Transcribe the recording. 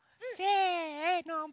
せの。